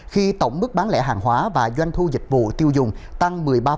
khi tổng mức bán lẻ hàng hóa và doanh thu dịch vụ tiêu dùng tăng một mươi ba